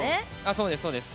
そうですそうです。